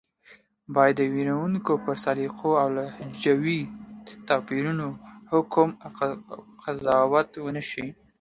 بايد د ویونکو پر سلیقو او لهجوي توپیرونو حکم او قضاوت ونشي